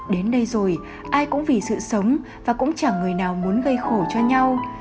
đến đây rồi ai cũng vì sự sống và cũng chẳng người nào muốn gây khổ cho nhau